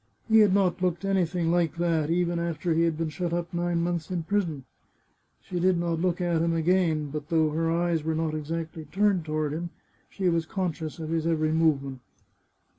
He had not looked anything like that, even after he had been shut up nine months in prison. She did not look at him again. But though her eyes were not exactly turned toward him, she was conscious of his every movement.